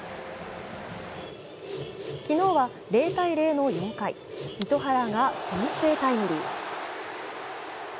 昨日は０−０の４回、糸原が先制タイムリー。